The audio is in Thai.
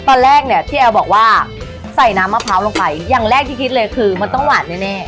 ตอนแรกเนี่ยพี่แอลบอกว่าใส่น้ำมะพร้าวลงไปอย่างแรกที่คิดเลยคือมันต้องหวานแน่